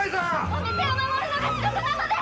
お店を守るのが仕事なので！